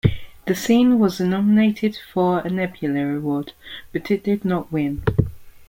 The scene was nominated for a Nebula Award, but it did not win.